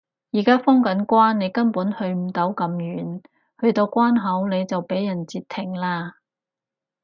而家封緊關你根本去唔到咁遠，去到關口你就畀人截停啦